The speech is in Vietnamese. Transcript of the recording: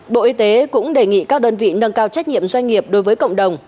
bộ y tế cũng đề nghị các đơn vị nâng cao trách nhiệm doanh nghiệp đối với cộng đồng